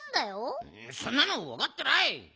そんなのわかってらい！